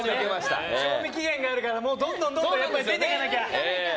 賞味期限があるからどんどん出て行かなきゃ。